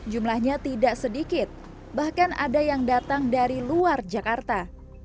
jumlahnya tidak sedikit bahkan ada yang datang dari luar jakarta